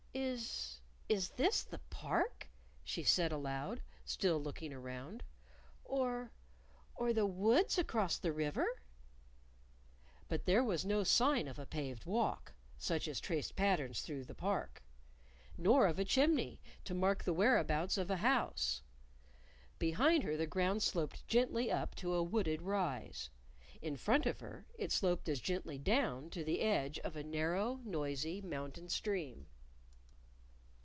"Is is this the Park?" she said aloud, still looking around. "Or or the woods across the River?" But there was no sign of a paved walk, such as traced patterns through the Park; nor of a chimney, to mark the whereabouts of a house. Behind her the ground sloped gently up to a wooded rise; in front of her it sloped as gently down to the edge of a narrow, noisy mountain stream.